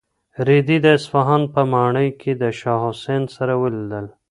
رېدي د اصفهان په ماڼۍ کې د شاه حسین سره ولیدل.